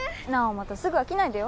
またすぐ飽きないでよ